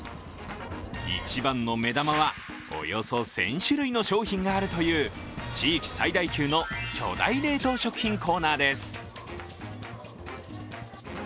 一番の目玉は、およそ１０００種類の商品があるという大気最大級の巨大冷凍食品コーナーです。